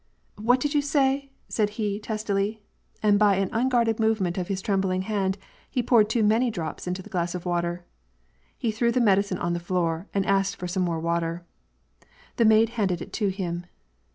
" What did you say ?" said he, testily ; and by an un guarded movement of his trembling hand he poured too many drops into the glass of water. He threw the medicine on the fioor and asked for some more water. The maid handed it to him.